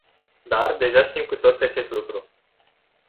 Dar, deja știm cu toții acest lucru.